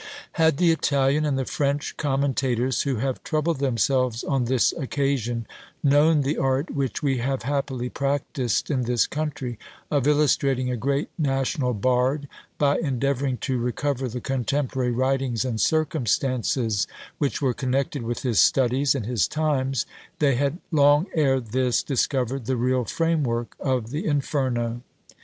Had the Italian and the French commentators who have troubled themselves on this occasion known the art which we have happily practised in this country, of illustrating a great national bard by endeavouring to recover the contemporary writings and circumstances which were connected with his studies and his times, they had long ere this discovered the real framework of the Inferno.